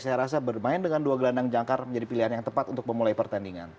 saya rasa bermain dengan dua gelandang jangkar menjadi pilihan yang tepat untuk memulai pertandingan